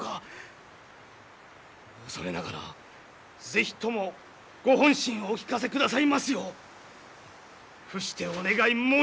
恐れながら是非ともご本心をお聞かせくださいますよう伏してお願い申し上げます。